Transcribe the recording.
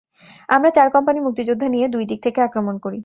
আমরা চার কোম্পানি মুক্তিযোদ্ধা নিয়ে দুই দিক থেকে আক্রমণ করি।